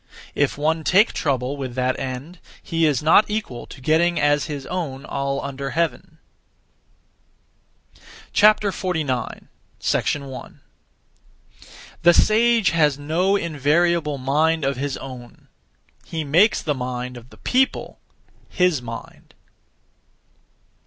If one take trouble (with that end), he is not equal to getting as his own all under heaven. 49. 1. The sage has no invariable mind of his own; he makes the mind of the people his mind.